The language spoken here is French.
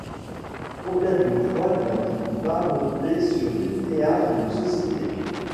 Combien de fois n’a-t-il pas monté sur des théâtres de société !